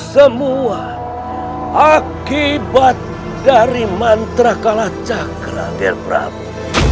semua sudah diatur ger prabu